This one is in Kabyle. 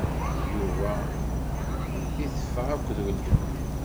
Yuba iteffeɣ akked weltma.